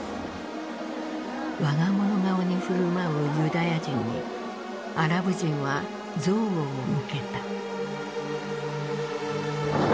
我が物顔に振る舞うユダヤ人にアラブ人は憎悪を向けた。